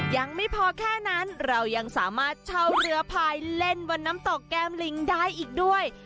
ยังไม่พอแค่นั้นเรายังสามารถเช่าเรือพายเล่นบนน้ำตกแก้มลิงได้อีกด้วย